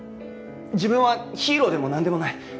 自分はヒーローでもなんでもない。